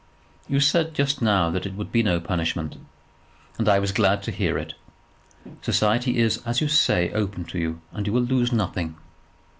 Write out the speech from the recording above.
"You said just now that it would be no punishment, and I was glad to hear it. Society is, as you say, open to you, and you will lose nothing."